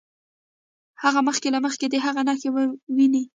هغه مخکې له مخکې د هغې نښې ويني.